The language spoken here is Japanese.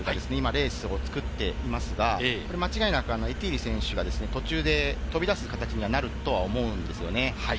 レースを作っていますが、間違いなく、エティーリ選手が途中で飛び出す形になるとは思うんですよね。